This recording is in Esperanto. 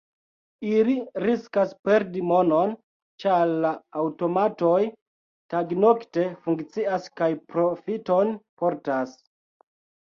Ili riskas perdi monon, ĉar la aŭtomatoj tagnokte funkcias kaj profiton portas.